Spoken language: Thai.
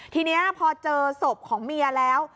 ทีนี้พอเจอศพของเมียแล้ว